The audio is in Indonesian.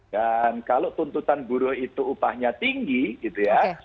dan kalau tuntutan buruh itu upahnya tinggi gitu ya